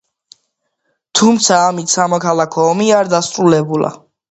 თუმცა ამით სამოქალაქო ომი არ დასრულებულა.